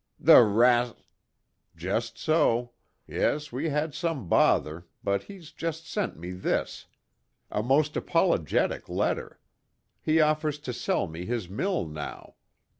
"The ras " "Just so. Yes, we had some bother; but he's just sent me this. A most apologetic letter. He offers to sell me his mill now.